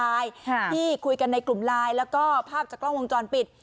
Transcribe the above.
ขายทางนั้นคุณพี่คุยกันในกลุ่มไลน์แล้วก็ภาพจากกล้องวงจรปิด